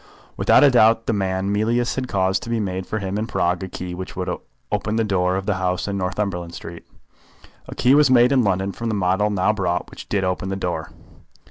Without a doubt the man Mealyus had caused to be made for him in Prague a key which would open the door of the house in Northumberland Street. A key was made in London from the model now brought which did open the door.